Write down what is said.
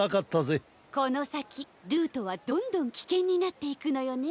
このさきルートはどんどんきけんになっていくのよね。